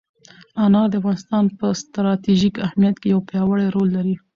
انار د افغانستان په ستراتیژیک اهمیت کې یو پیاوړی رول لري.